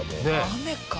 雨か。